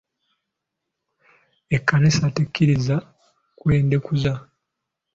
Ekkanisa tekkiriza kwendekuza.